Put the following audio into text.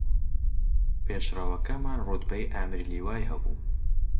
پێشڕەوەکەمان ڕوتبەی ئامیر لیوای هەبوو